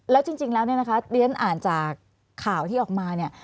แล้วจริงแล้วเนี่ยนะคะเรียนอ่านจากข่าวที่ออกมาเนี่ย